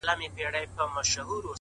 د زړه ملا مي راته وايي دغه!!